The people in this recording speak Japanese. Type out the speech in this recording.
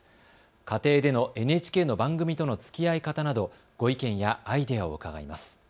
家庭でのＮＨＫの番組とのつきあい方などご意見やアイデアを伺います。